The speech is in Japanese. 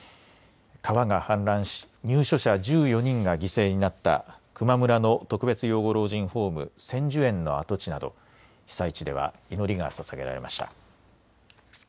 川が氾濫し入所者１４人が犠牲になった球磨村の特別養護老人ホーム、千寿園の跡地など被災地では祈りがささげられました。